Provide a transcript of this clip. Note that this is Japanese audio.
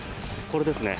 これですね。